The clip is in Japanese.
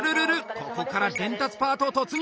ここから伝達パート突入。